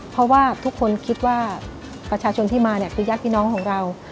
เพราะว่าทุกคนคิดว่าประชาชนที่มาเนี่ยคือญาติพี่น้องของเรา